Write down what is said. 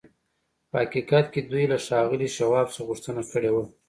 په حقیقت کې دوی له ښاغلي شواب څخه غوښتنه کړې وه